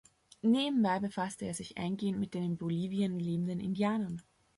Nebenbei befasste er sich eingehend mit den in Bolivien lebenden Indianern.